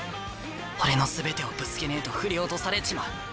俺の全てをぶつけねえと振り落とされちまう。